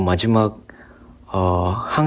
ไม่มีเจอกัน